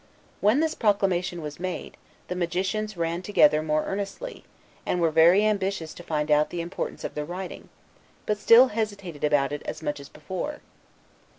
When this proclamation was made, the magicians ran together more earnestly, and were very ambitious to find out the importance of the writing, but still hesitated about it as much as before.